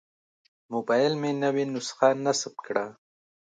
موبایل مې نوې نسخه نصب کړه.